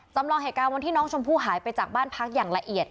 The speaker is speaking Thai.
จำลองเหตุการณ์วันที่น้องชมพู่หายไปจากบ้านพักอย่างละเอียด